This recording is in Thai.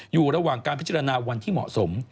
อยู่ระหว่างการพิจารณาวันที่เหมาะสม